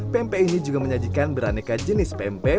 pempek ini juga menyajikan beraneka jenis pempek